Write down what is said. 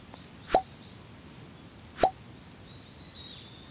あっ。